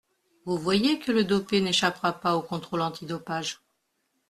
Vous voyez que le dopé n’échappera pas au contrôle antidopage.